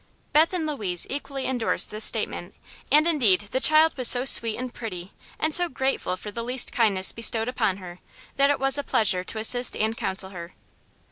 Beth and Louise equally endorsed this statement; and indeed the child was so sweet and pretty and so grateful for the least kindness bestowed upon her that it was a pleasure to assist and counsel her.